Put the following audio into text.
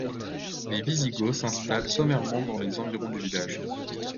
Les Wisigoths s'installent sommairement dans les environs du village.